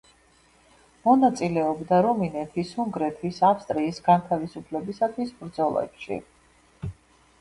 მონაწილეობდა რუმინეთის, უნგრეთის, ავსტრიის განთავისუფლებისათვის ბრძოლებში.